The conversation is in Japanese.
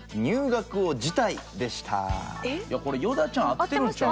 これ与田ちゃん合ってるんちゃう？